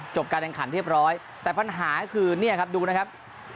การแข่งขันเรียบร้อยแต่ปัญหาคือเนี่ยครับดูนะครับ